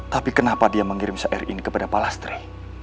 tapi kenapa dia mengirim syair ini kepada palastri